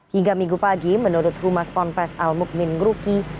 hingga minggu pagi menurut rumah sponpes al muqmin ngruki